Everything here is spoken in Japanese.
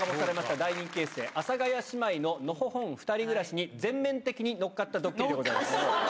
大人気エッセー、阿佐ヶ谷姉妹ののほほん２人暮らしに全面的に乗っかったドッキリでございます。